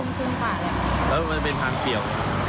แล้วมันเป็นทางเกี่ยว